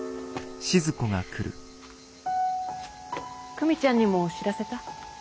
久美ちゃんにも知らせた？